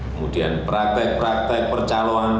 kemudian praktek praktek percaloan